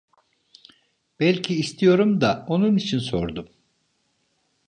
Belki istiyorum da onun için sordum!